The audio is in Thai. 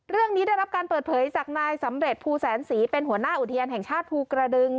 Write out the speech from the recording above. ได้รับการเปิดเผยจากนายสำเร็จภูแสนศรีเป็นหัวหน้าอุทยานแห่งชาติภูกระดึง